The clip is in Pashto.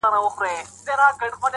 چي يوازي مستعمره انسان نه ځپي